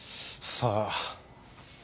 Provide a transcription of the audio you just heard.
さあ。